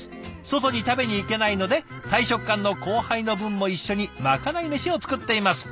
外に食べに行けないので大食漢の後輩の分も一緒にまかないメシを作っています」。